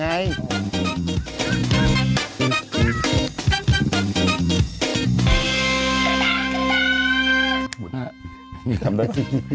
เอาเลขเด็ดในไข่ไง